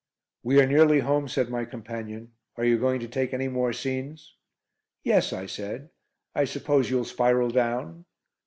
"We are nearly home," said my companion. "Are you going to take any more scenes?" "Yes," I said, "I suppose you'll spiral down?"